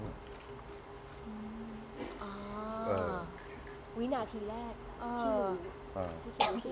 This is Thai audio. วินาทีแรก